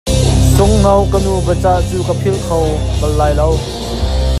Sunghno ka nu biacah cu ka philh kho bal lai lo.